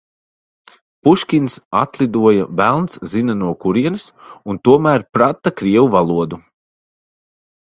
Puškins atlidoja velns zina no kurienes un tomēr prata krievu valodu.